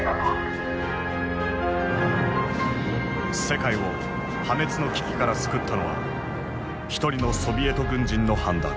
世界を破滅の危機から救ったのは一人のソビエト軍人の判断。